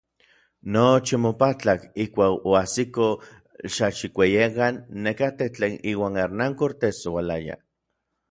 Nochi omopatlak ijkuak oajsikoj Xalxikueyekan nekatej tlen iuan Hernán Cortés oualayaj.